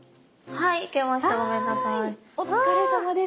はいお疲れさまです。